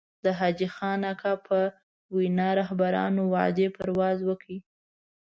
د حاجي خان اکا په وينا د رهبرانو وعدې پرواز وکړي.